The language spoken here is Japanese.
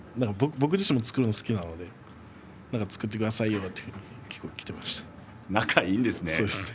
僕自身も作るのが好きなので作ってくださいよと結構、きていました。